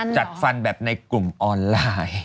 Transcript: จัดฟันแบบในกลุ่มออนไลน์